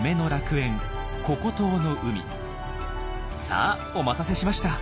さあお待たせしました。